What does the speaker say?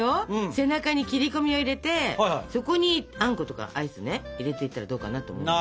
背中に切り込みを入れてそこにあんことかアイスね入れていったらどうかなと思うのよ。